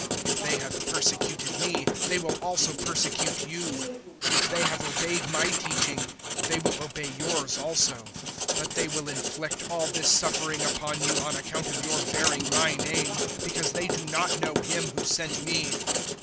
If they have persecuted me, they will also persecute you: if they have obeyed my teaching, they will obey yours also. 015:021 But they will inflict all this suffering upon you on account of your bearing my name because they do not know Him who sent me.